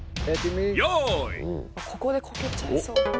ここでこけちゃいそう。